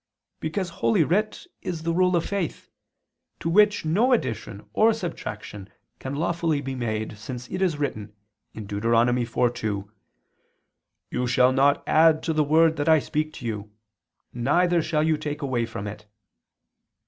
Because Holy Writ is the rule of faith, to which no addition or subtraction can lawfully be made, since it is written (Deut. 4:2): "You shall not add to the word that I speak to you, neither shall you take away from it."